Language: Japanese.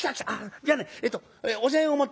じゃあねえっとお膳を持って次の間へ。